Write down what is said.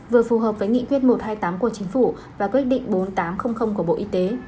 vừa phù hợp với nghị quyết một trăm hai mươi tám của chính phủ và quyết định bốn nghìn tám trăm linh của bộ y tế